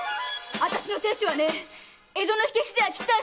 あたしの亭主はねえ江戸の火消しじゃちったあ